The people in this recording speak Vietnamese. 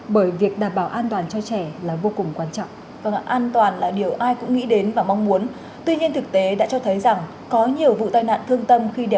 bởi chính các bà phụ huynh vẫn đang thở ơ với tính mạng của con em mình khi đưa đón con bằng phương tiện xe máy